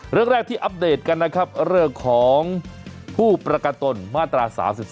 เรื่องแรกที่อัปเดตกันนะครับเรื่องของผู้ประกันตนมาตรา๓๒